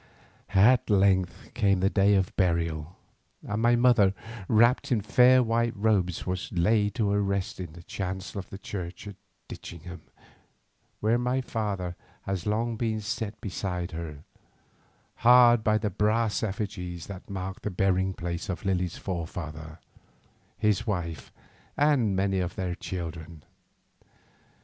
At length came the day of burial, and my mother, wrapped in fair white robes, was laid to her rest in the chancel of the church at Ditchingham, where my father has long been set beside her, hard by the brass effigies that mark the burying place of Lily's forefather, his wife, and many of their children.